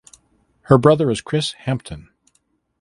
Her Brother is Chris Hampton.